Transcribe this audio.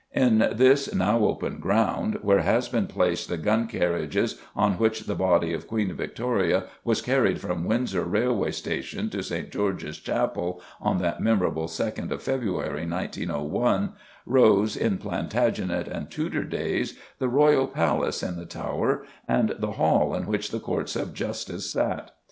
In this now open ground, where has been placed the gun carriage on which the body of Queen Victoria was carried from Windsor railway station to St. George's Chapel on that memorable 2nd of February, 1901, rose, in Plantagenet and Tudor days, the Royal Palace in the Tower, and the Hall in which the Courts of Justice sat.